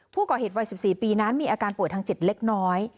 ผู้ก่อเหตุวัย๑๔ปีนั้นมีอาการป่วยทางจิตเล็กน้อย